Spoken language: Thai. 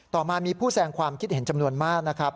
ต่อมามีผู้แสงความคิดเห็นจำนวนมากนะครับ